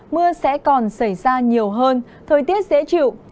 mưa sẽ còn xảy ra nhiều hơn thời tiết dễ chịu